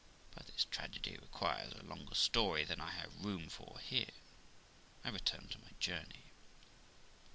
But this tragedy requires a longer story than I have room for here. I return to my journey.